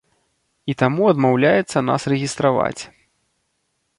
І таму адмаўляецца нас рэгістраваць.